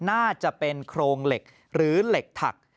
น่าจะเป็นโครงเหล็กหรือเหล็กถัก